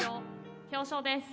表彰です。